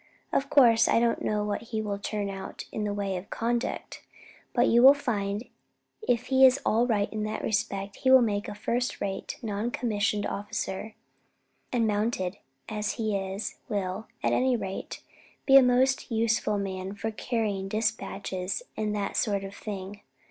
Of course I don't know what he will turn out in the way of conduct; but you will find, if he is all right in that respect, that he will make a first rate non commissioned officer, and mounted as he is, will, at any rate, be a most useful man for carrying despatches and that sort of thing.